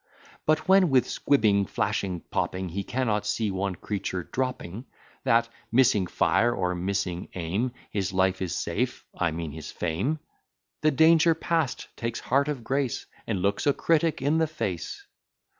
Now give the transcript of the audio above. But, when with squibbing, flashing, popping, He cannot see one creature dropping; That, missing fire, or missing aim, His life is safe, I mean his fame; The danger past, takes heart of grace, And looks a critic in the face.